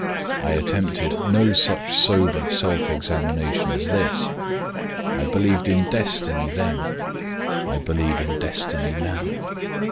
I attempted no such sober self examination as this: I believed in destiny then, I believe in destiny now.